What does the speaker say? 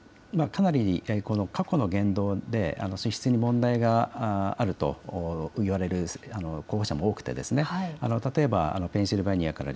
かなり過去の言動で資質に問題があると言われる候補者も多くて例えばペンシルベニアから